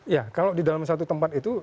ya kalau di dalam satu tempat itu